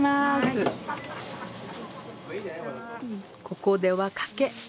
ここでは「掛け」